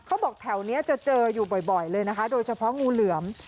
เขาบอกแถวนี้จะเจออยู่บ่อยเลยนะคะโดยเฉพาะงูเหลือม